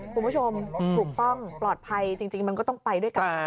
คุณผู้ชมถูกต้องปลอดภัยจริงมันก็ต้องไปด้วยกัน